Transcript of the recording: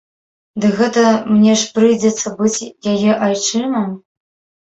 Дык гэта мне ж прыйдзецца быць яе айчымам?